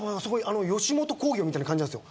吉本興業みたいな感じなんです。